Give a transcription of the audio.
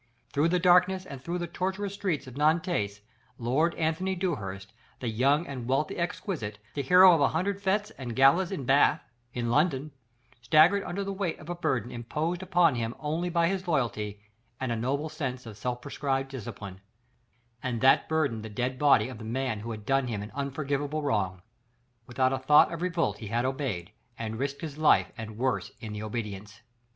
Through the darkness and through the tortuous streets of Nantes Lord Anthony Dewhurst the young and wealthy exquisite, the hero of an hundred fêtes and galas in Bath, in London staggered under the weight of a burden imposed upon him only by his loyalty and a noble sense of self prescribed discipline and that burden the dead body of the man who had done him an unforgivable wrong. Without a thought of revolt he had obeyed and risked his life and worse in the obedience.